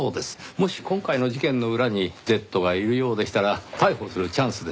もし今回の事件の裏にＺがいるようでしたら逮捕するチャンスです。